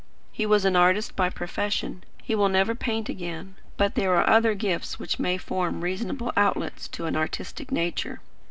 He was an artist by profession. He will never paint again. But there are other gifts which may form reasonable outlets to an artistic nature."